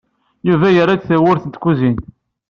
Yuba yerra-d tawwurt n tkuzint.